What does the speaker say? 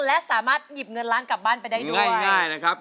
และสามารถหยิบเงินล้านกลับบ้านไปได้ด้วยใช่นะครับ